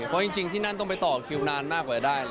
เพราะจริงที่นั่นต้องไปต่อคิวนานมากกว่าได้แล้ว